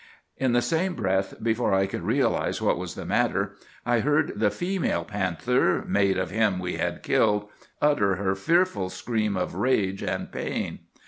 In the same breath, before I could realize what was the matter, I heard the female panther, mate of him we had killed, utter her fearful scream of rage and pain.